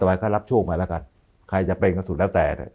รัฐบาลต้องก็รับช่วงไปแล้วกันใครจะเป็นก็ตราบสู่แล้วแต่